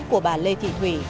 của bà lê thị thủy